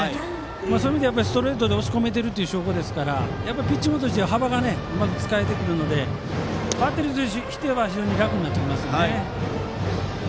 そういう意味で、ストレートで押し込めているという証拠なのでピッチングとして幅がうまく使えてくるのでバッテリーとしては楽になってきますね。